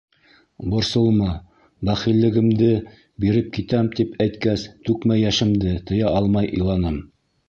Борсолма, бәхиллегемде биреп китәм, тип әйткәс, түкмә йәшемде тыя алмай иланым.